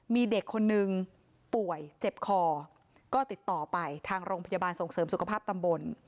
มีเด็กคนนึงป่วยเจ็บคอก็ติดต่อไปทางโรงพยาบาลส่งเสริมสุขภาพตำบล